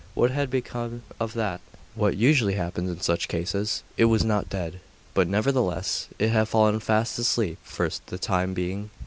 What had become of that? What usually happens in such cases. It was not dead; but nevertheless it had fallen fast asleep for the time being.